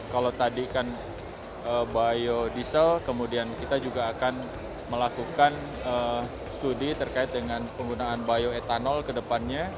kalau tadi kan biodiesel kemudian kita juga akan melakukan studi terkait dengan penggunaan bioetanol ke depannya